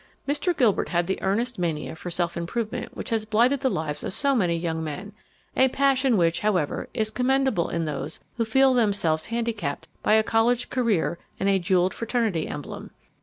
Mr. Gilbert had the earnest mania for self improvement which has blighted the lives of so many young men a passion which, however, is commendable in those who feel themselves handicapped by a college career and a jewelled fraternity emblem.